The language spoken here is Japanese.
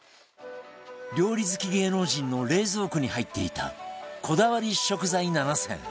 料理好き芸能人の冷蔵庫に入っていたこだわり食材７選